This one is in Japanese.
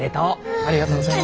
ありがとうございます。